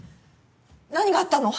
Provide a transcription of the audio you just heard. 何があったの？